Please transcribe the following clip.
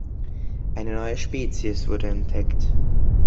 Eine neue Spezies wurde entdeckt.